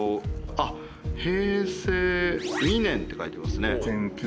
あっ「平成２年」って書いてますね。